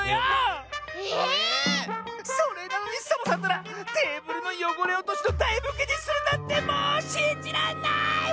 ええ⁉それなのにサボさんったらテーブルのよごれおとしのだいふきにするなんてもうしんじらんない！